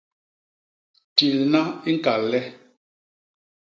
Tilna i ñkal le.